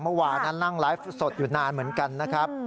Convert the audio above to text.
เมื่อวานนั่งไลฟ์สดอยู่นานเหมือนกันนะครับ